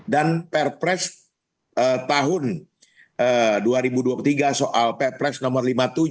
dan perpres tahun dua ribu dua puluh tiga soal perpres nomor lima puluh tujuh